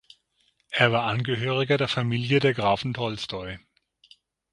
Er war Angehöriger der Familie der Grafen Tolstoi.